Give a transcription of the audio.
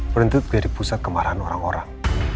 berhenti berdipusat kemarahan orang orang